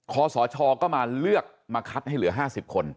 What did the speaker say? ขอสชก็มาเลือกมาคัดให้เหลือ๕๐คน